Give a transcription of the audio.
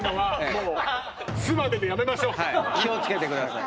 気を付けてください。